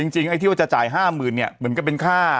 จริงไอ้ที่ว่าจะจ่าย๕๐๐๐เนี่ยเหมือนกับเป็นค่า